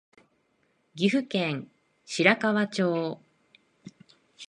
岐阜県白川町